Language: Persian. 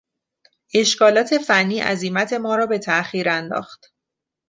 اشکالات فنی عزیمت ما را به تاخیر انداخت.